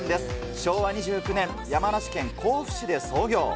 昭和２９年、山梨県甲府市で創業。